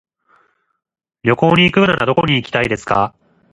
旅行に行くならどこに行きたいですか。